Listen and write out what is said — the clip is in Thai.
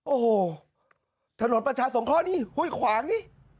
โอ้โหถนนประชาสงเคราะห์นี่ห้วยขวางนี่